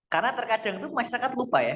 karena terkadang itu masyarakat lupa ya